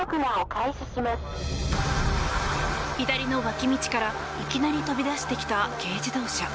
左の脇道からいきなり飛び出してきた軽自動車。